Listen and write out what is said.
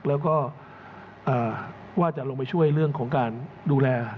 แล้วก็ว่าจะลงไปช่วยเรื่องของการดูแล